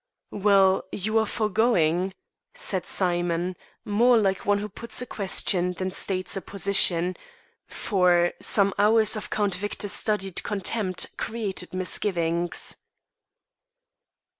"Well, you are for going?" said Simon, more like one who puts a question than states a position, for some hours of Count Victor's studied contempt created misgivings.